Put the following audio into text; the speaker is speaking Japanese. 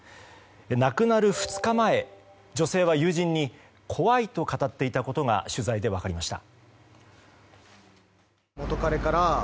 亡くなる２日前、女性は友人に怖いと語っていたことが取材で分かりました。